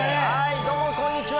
どうもこんにちは。